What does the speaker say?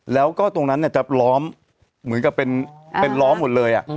แล้วก็ตรงนั้นจะล้อมเหมือนกับเป็นล้อมหมดเลย